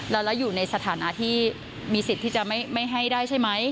แล้วอยู่ในสถานะที่มีสิทธิ์ที่จะไม่ให้ได้ใช่ไหม